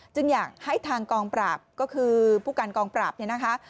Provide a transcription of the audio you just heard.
จึงอยากให้ทางกองปราบก็คือผู้การกองปราบเนี่ยนะคะ